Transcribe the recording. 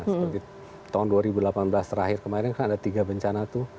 seperti tahun dua ribu delapan belas terakhir kemarin kan ada tiga bencana itu